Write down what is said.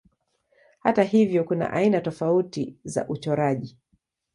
Hata hivyo kuna aina tofauti za uchoraji.